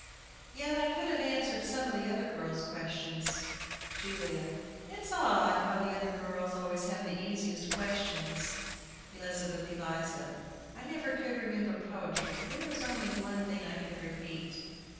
Yet I could have answered some of the other girls' questions. JULIA. It's odd how the other girls always have the easiest questions. ELIZABETH ELIZA. I never could remember poetry There was only one thing I could repeat.